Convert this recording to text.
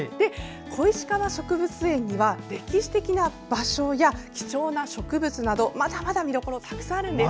小石川植物園には歴史的な場所や貴重な植物など見どころがたくさんあるんです！